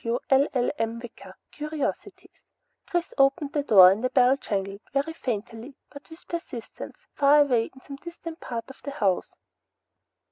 W LLM. WICKER, CURIOSITIES Chris opened the door and a bell jangled, very faintly, but with persistence, far away in some distant part of the house.